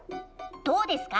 どうですか？